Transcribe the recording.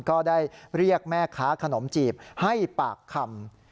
ก็ได้เรียกแม่ค้าขนมจีบให้ปากคำ